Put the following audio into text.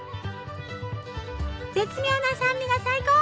絶妙な酸味が最高！